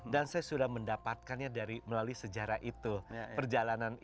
dan saya sudah mendapatkannya dari melalui sejarah itu perjalanannya